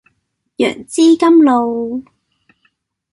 楊枝甘露